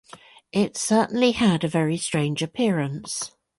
It certainly had a very strange appearance.